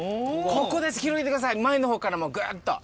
ここです、広げてください、前のほうからも、ぐーっと。